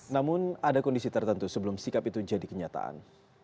namun ada kondisi tertentu sebelum sikap itu jadi kenyataan